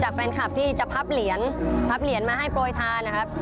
แฟนคลับที่จะพับเหรียญพับเหรียญมาให้โปรยทานนะครับ